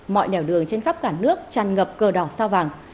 mọi nẻo đường trên khắp cả nước tràn ngập cờ đỏ sao vàng